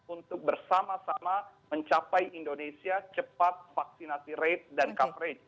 untuk bersama sama mencapai indonesia cepat vaksinasi rate